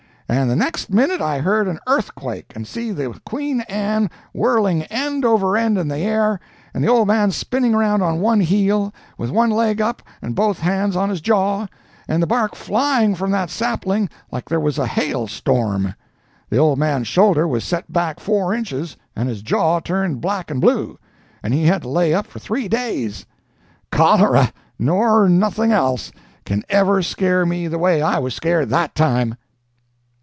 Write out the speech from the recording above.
And the next minute I heard an earthquake and see the Queen Anne whirling end over end in the air, and the old man spinning around on one heel, with one leg up and both hands on his jaw, and the bark flying from that sapling like there was a hail storm! The old man's shoulder was set back four inches, and his jaw turned black and blue, and he had to lay up for three days. Cholera, nor nothing else, can ever scare me the way I was scared that time."